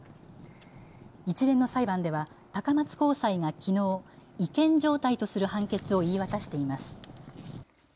一連の裁判では、高松高裁がきのう、違憲状態とする判決を言い渡しています。